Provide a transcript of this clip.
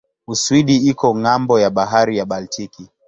Uswidi iko ng'ambo ya bahari ya Baltiki.